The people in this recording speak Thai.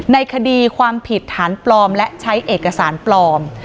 ในคดีความผิดฐานปลอมและใช้เอกสารปลอม